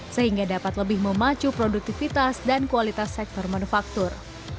sehingga dapat lebih memacu produktivitas dan kualitas sektor manufaktur